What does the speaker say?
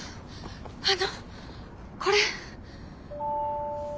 あのこれ。